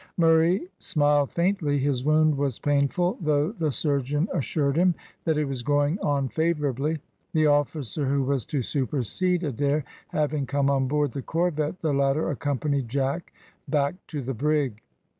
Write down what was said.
Murray smiled faintly; his wound was painful, though the surgeon assured him that it was going on favourably. The officer who was to supersede Adair having come on board the corvette, the latter accompanied Jack back to the brig.